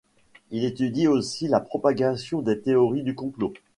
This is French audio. Il étudie aussi la propagation des théories du complot.